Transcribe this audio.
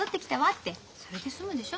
ってそれで済むでしょ。